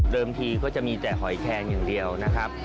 ทีก็จะมีแต่หอยแคงอย่างเดียวนะครับ